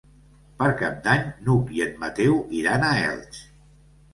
Per Cap d'Any n'Hug i en Mateu iran a Elx.